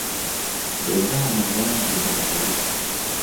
Be baana abangi nga balalu.